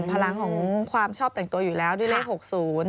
พลังของความชอบแต่งตัวอยู่แล้วด้วยเลข๖๐